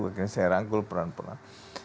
akhirnya saya rangkul peran peran